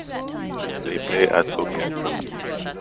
They play at Copeland Park.